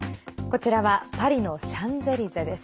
こちらはパリのシャンゼリゼです。